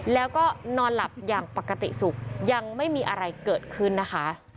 แล้วก็นอนหลับอย่างปกติสุขยังไม่มีอะไรเกิดขึ้นนะคะ